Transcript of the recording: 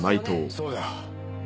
そうだ。